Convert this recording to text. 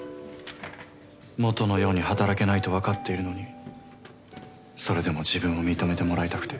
元のように働けないとわかっているのにそれでも自分を認めてもらいたくて。